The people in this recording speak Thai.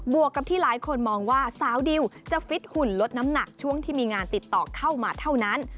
วกกับที่หลายคนมองว่าสาวดิวจะฟิตหุ่นลดน้ำหนักช่วงที่มีงานติดต่อเข้ามาเท่านั้น